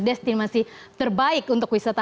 destinasi terbaik untuk wisata